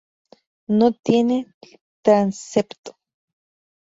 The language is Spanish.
No tiene transepto.